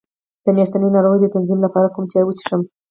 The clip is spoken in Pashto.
د میاشتنۍ ناروغۍ د تنظیم لپاره کوم چای وڅښم؟